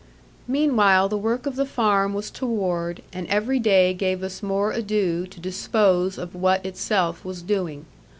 Meanwhile the work of the farm was toward, and every day gave us more ado to dispose of what itself was doing.